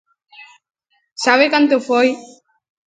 ¿Sabe canto foi?